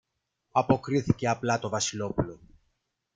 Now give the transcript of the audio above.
αποκρίθηκε απλά το Βασιλόπουλο